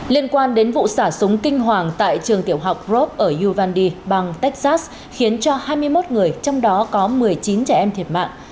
liên quan đến vụ xả súng kinh hoàng tại trường tiểu học rob ở yuvandi bang texas khiến cho hai mươi một người trong đó có một mươi chín trẻ em thiệt mạng